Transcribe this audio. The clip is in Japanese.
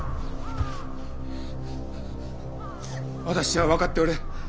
私は分かっておる！